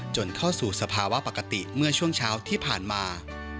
เข้าสู่สภาวะปกติเมื่อช่วงเช้าที่ผ่านมา